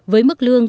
với mức lương